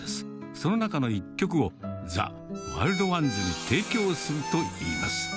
その中の１曲を、ザ・ワイルドワンズに提供するといいます。